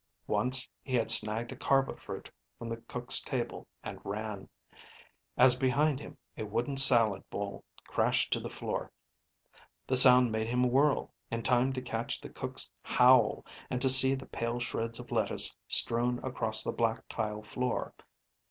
(Once he had snagged a kharba fruit from the cook's table and ran, as behind him a wooden salad bowl crashed to the floor. The sound made him whirl, in time to catch the cook's howl and to see the pale shreds of lettuce strewn across the black tile floor.